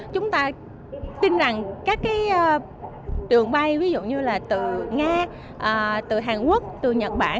chúng ta tin rằng các đường bay ví dụ như là từ nga từ hàn quốc từ nhật bản